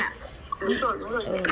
đúng rồi đúng rồi